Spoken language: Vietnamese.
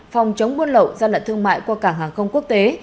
phòng chống buôn lậu gian lận thương mại qua cảng hàng không quốc tế